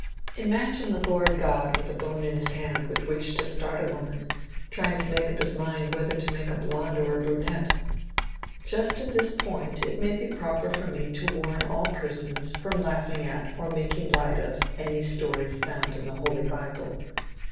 Imagine the Lord God with a bone in his hand with which to start a woman, trying to make up his mind whether to make a blonde or a brunette! Just at this point it may be proper for me to warn all persons from laughing at or making light of, any stories found in the "Holy Bible."